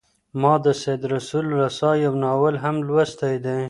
ما د سید رسول رسا یو ناول هم لوستی دی.